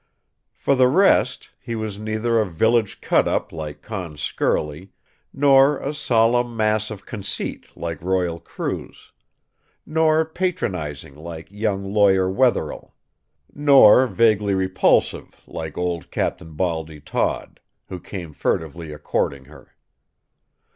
For the rest he was neither a village cut up like Con Skerly, nor a solemn mass of conceit like Royal Crews; nor patronizing like young Lawyer Wetherell; nor vaguely repulsive like old Cap'n Baldy Todd, who came furtively a courting her.